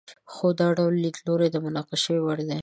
خو دا ډول لیدلوری د مناقشې وړ دی.